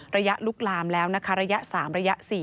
ลุกลามแล้วนะคะระยะ๓ระยะ๔